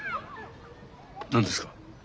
何ですか？